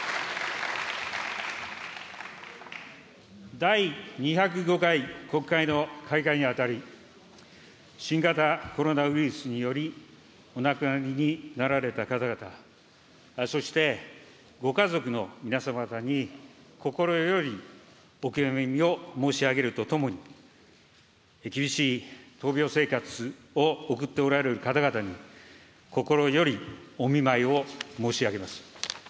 第２０５回国会の開会にあたり、新型コロナウイルスによりお亡くなりになられた方々、そしてご家族の皆様方に、心よりお悔やみを申し上げるとともに、厳しい闘病生活を送っておられる方々に、心よりお見舞いを申し上げます。